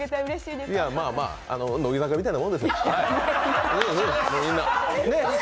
まあまあ、乃木坂みたいなもんですよ、みんな。